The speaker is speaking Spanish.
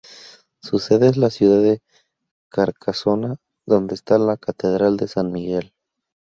Su sede es la ciudad de Carcasona, donde está la Catedral de San Miguel.